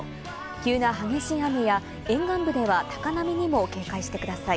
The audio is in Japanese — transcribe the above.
急な激しい雨や、沿岸部では高波にも警戒してください。